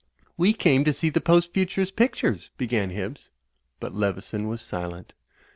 "We came to see the Post Futurist pictures," began Hibbs; but Leveson was silent.